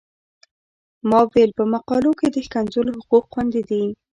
ما ویل په مقالو کې د ښکنځلو حقوق خوندي دي.